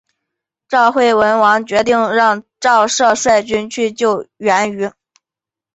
赵惠文王决定让赵奢率军救援阏与。